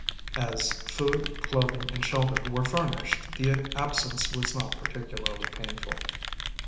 As food, clothing, and shelter were furnished, the absence was not particularly painful.